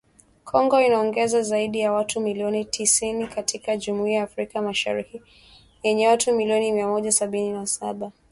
Kongo inaongeza zaidi ya watu milioni tisini katika Jumuiya ya Afrika Mashariki yenye watu milioni mia moja sabini na saba